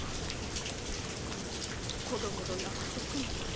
子供の名は徳松。